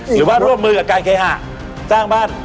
หรือว่าร่วมมือกับการเคหะสร้างบ้าน